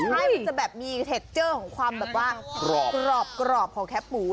ใช่มันจะแบบมีความแบบกรอบของแคบหมู